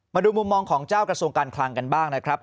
มาดูมุมมองของเจ้ากระทรวงการคลังกันบ้างนะครับ